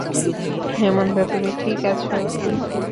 হেমন্ত, তুমি ঠিক আছো?